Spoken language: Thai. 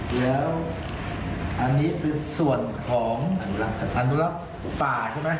แล้วอันนี้เป็นส่วนของไปมาอันนุับป่าเม็ดนะ